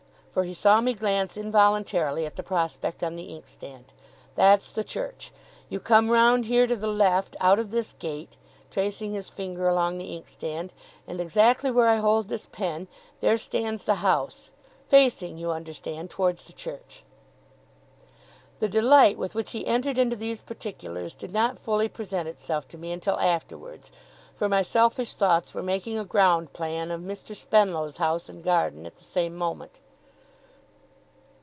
For he saw me glance, involuntarily, at the prospect on the inkstand. 'That's the church! You come round here to the left, out of this gate,' tracing his finger along the inkstand, 'and exactly where I hold this pen, there stands the house facing, you understand, towards the church.' The delight with which he entered into these particulars, did not fully present itself to me until afterwards; for my selfish thoughts were making a ground plan of Mr. Spenlow's house and garden at the same moment.